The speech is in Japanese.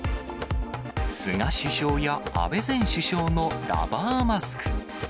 菅首相や安倍前首相のラバーマスク。